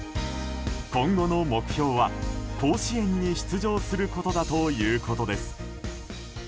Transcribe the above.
今後の目標は、甲子園に出場することだということです。